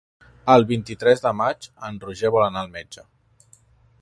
El vint-i-tres de maig en Roger vol anar al metge.